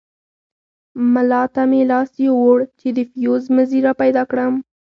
ملا ته مې لاس يووړ چې د فيوز مزي راپيدا کړم.